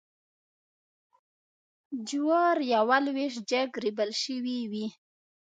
جوارېوه لویشت جګ ریبل شوي وې.